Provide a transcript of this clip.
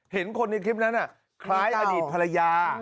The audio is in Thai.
เห็นคนในคลิปนั้นคล้ายอดีตภรรยา